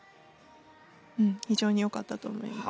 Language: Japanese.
うん非常に良かったと思います。